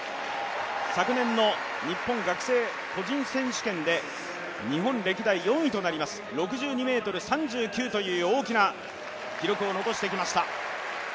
昨年の日本学生個人選手権で日本歴代４位となります６２ｍ３９という大きな記録を残してきました。